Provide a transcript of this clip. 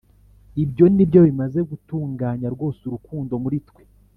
Ibyo ni byo bimaze gutunganya rwose urukundo muri twe,